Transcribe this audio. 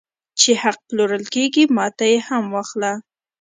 چې حق پلورل کېږي ماته یې هم واخله